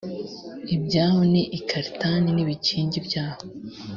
ibyaho ni i karitani n’ibikingi byaho